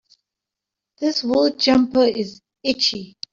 This wool jumper is itchy.